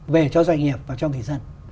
về cho doanh nghiệp và cho người dân